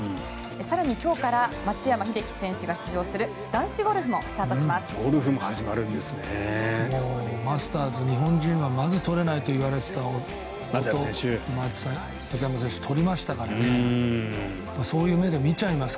更に今日から松山英樹選手が出場する男子ゴルフも始まります。